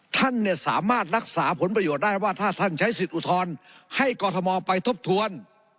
ท่านเนี่ยสามารถรักษาผลประโยชน์ได้ว่าถ้าท่านใช้สิทธิอุทธรณ์ให้กรทมไปทบทวน